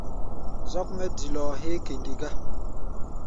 Zɔ́k mɛ́ dilɔɔ héé kɛndi gá.